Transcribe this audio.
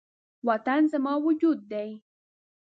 وطن زما وجود دی